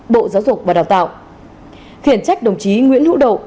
bộ giáo dục và đào tạo khiển trách đồng chí nguyễn hữu độ